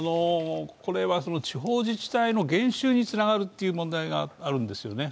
これは地方自治体の減収につながるという問題があるんですよね。